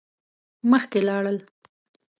مخکی لاړل.